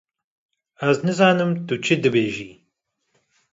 Ez nizanim tu çi dibêjî.